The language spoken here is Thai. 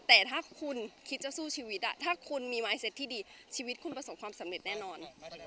แต่ถ้าคุณคิดจะสู้ชีวิตถ้าคุณมีวายเซ็ตที่ดีชีวิตคุณประสบความสำเร็จแน่นอน